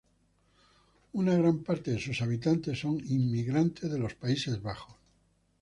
Una gran parte de sus habitantes son inmigrantes de los Países Bajos.